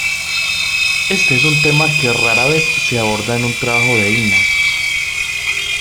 Este es un tema que rara vez se aborda en un trabajo de Inna.